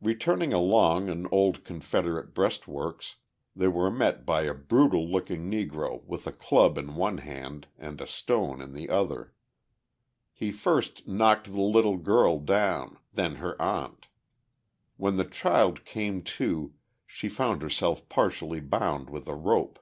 Returning along an old Confederate breastworks, they were met by a brutal looking Negro with a club in one hand and a stone in the other. He first knocked the little girl down, then her aunt. When the child "came to" she found herself partially bound with a rope.